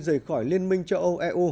rời khỏi liên minh châu âu eu